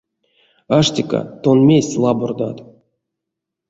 Аштека, тон мезть лабордат?